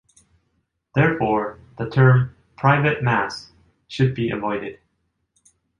Therefore, the term 'private Mass' should be avoided.